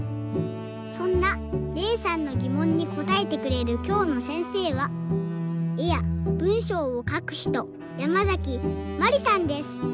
そんなれいさんのぎもんにこたえてくれるきょうのせんせいはえやぶんしょうをかくひとヤマザキマリさんです。